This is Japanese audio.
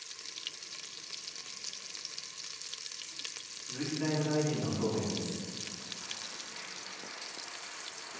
鈴木財務大臣の答弁です。